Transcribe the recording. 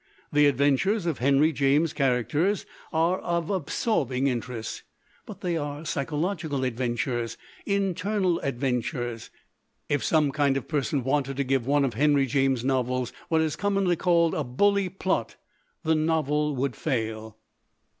The adventures of Henry James's characters are of absorbing interest, but they are psychological adventures, internal adventures. If some kind person wanted to give one of Henry James's novels what is commonly called 'a bully plot' the novel would fail."